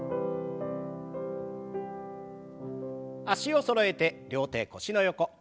脚をそろえて両手腰の横。